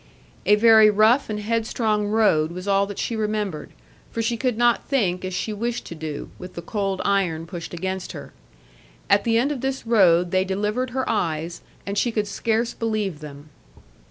A very rough and headstrong road was all that she remembered, for she could not think as she wished to do, with the cold iron pushed against her. At the end of this road they delivered her eyes, and she could scarce believe them.